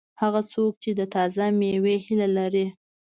هغه څوک چې د تازه مېوې هیله لري.